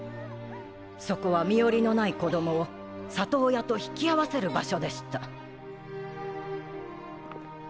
そこは身寄りのない子供を里親と引き合わせる場所でした。